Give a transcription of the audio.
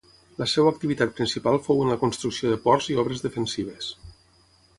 La seva activitat principal fou en la construcció de ports i obres defensives.